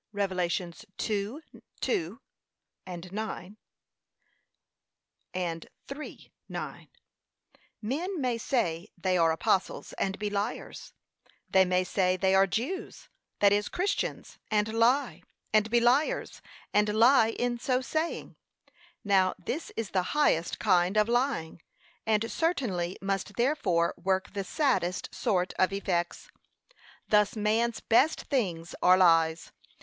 (Rev. 2:2, 9; 3:9) Men may say they are apostles, and be liars: they may say they are Jews, that is, Christians, and lie, and be liars, and lie in so saying. Now this is the highest kind of lying, and certainly must therefore work the saddest sort of effects. Thus man's best things are lies.